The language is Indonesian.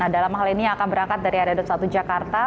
dalam hal ini akan berangkat dari area dua puluh satu jakarta